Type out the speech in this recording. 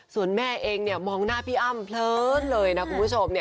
ส่วนแม่เองะมองหน้าพี่อ้ำเพยรกฤษเลยนะครับคุณผู้ชม